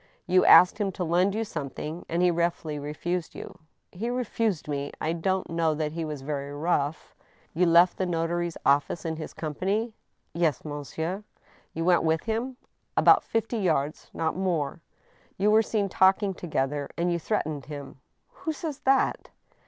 " You asked him to lend you something, and he roughly refused you?" " He refused me. I don't know that he was very rough." You left the notary's office in his company ?" Ycs, monsieur." 7 98 THE STEtL HAMMER. " You went with him —"" About fifty yards, ... not more." " You were seen talking together, and you threatened him ?" "Who says that?"